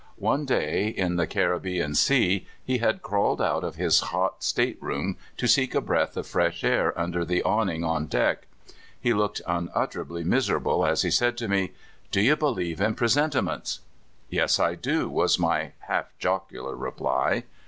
One day in the Caribbean Sea he had crawled out of his hot state room to seek a breath of fresh air under the awn ing on deck. He looked unutterly miserable as he said to me: "Do you believe in presentiments?" (74) STEWART. 75 " Yes, I do," was 1113^ half jocular reply.